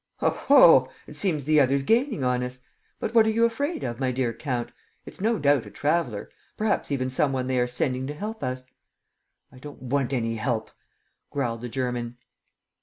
"Oho! It seems the other's gaining on us! ... But what are you afraid of, my dear count? It's no doubt a traveller ... perhaps even some one they are sending to help us." "I don't want any help," growled the German.